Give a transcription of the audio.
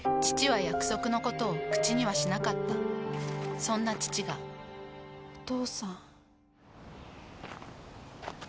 父は約束のことを口にはしなかったそんな父がお父さん。